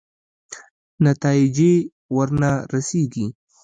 نتایجې ورنه رسېږي.